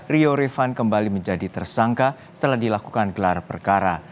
rio rifan kembali menjadi tersangka setelah dilakukan gelar perkara